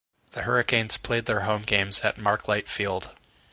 The Hurricanes played their home games at Mark Light Field.